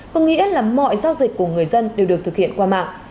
có nghĩa là mọi giao dịch của người dân đều được thực hiện qua mạng